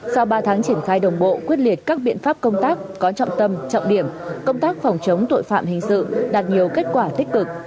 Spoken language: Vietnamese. sau ba tháng triển khai đồng bộ quyết liệt các biện pháp công tác có trọng tâm trọng điểm công tác phòng chống tội phạm hình sự đạt nhiều kết quả tích cực